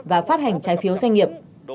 và phát hành trái phiếu doanh nghiệp